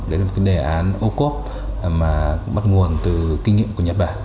đấy là một cái đề án ô cốp mà bắt nguồn từ kinh nghiệm của nhật bản